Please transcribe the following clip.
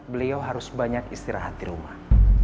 beliau harus banyak istirahat di rumah